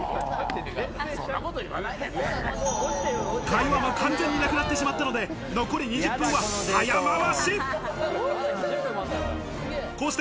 会話も完全になくなってしまったので、残り２０分は早まわし。